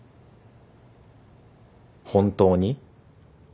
本当に？